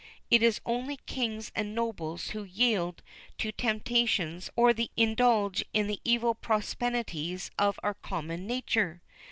Is it only kings and nobles who yield to temptations or indulge in the evil propensities of our common nature?